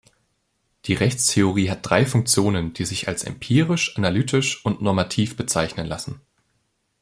Die Rechtstheorie hat drei Funktionen, die sich als empirisch, analytisch und normativ bezeichnen lassen.